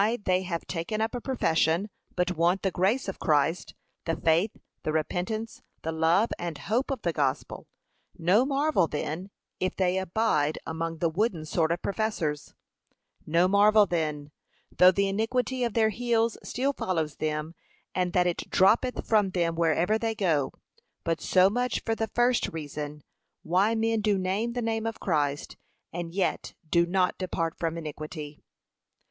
why, they have taken up a profession, but want the grace of Christ; the faith, the repentance, the love and hope of the gospel. No marvel then, if they abide among the wooden sort of professors: no marvel then, though the iniquity of their heels still follows them, and that it droppeth from them wherever they go. But so much for the first reason, why men do name the name of Christ and yet do not depart from iniquity.